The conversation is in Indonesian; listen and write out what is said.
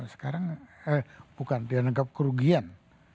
sekarang bukan dianggap kerugian